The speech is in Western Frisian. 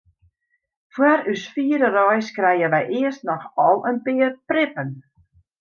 Foar ús fiere reis krije wy earst noch al in pear prippen.